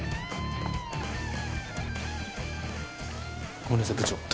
ごめんなさい部長トイレ。